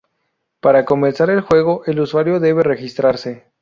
Para comenzar el juego el usuario debe registrarse.